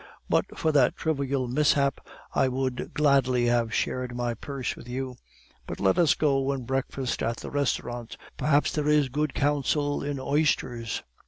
But for that trivial mishap, I would gladly have shared my purse with you. But let us go and breakfast at the restaurant; perhaps there is good counsel in oysters.